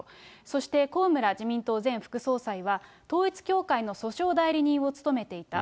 そして高村自民党前副総裁は、統一教会の訴訟代理人を務めていた。